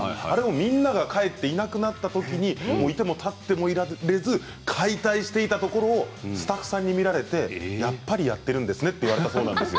みんなが帰っていなくなったときにいてもたってもいられずに解体していたところスタッフさんに見られて、やっぱりやっているんですねと言われたそうなんですよ。